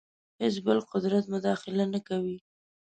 هېڅ بل قدرت مداخله نه کوي.